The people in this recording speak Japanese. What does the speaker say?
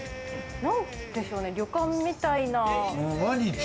何でしょうね旅館みたいな。